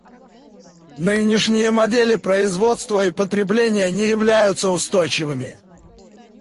Нынешние модели производства и потребления не являются устойчивыми.